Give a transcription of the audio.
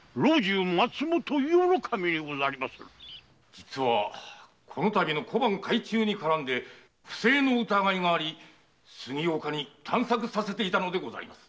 実はこのたびの小判改鋳に絡んで不正の疑いがあり杉岡に探索させていたのです。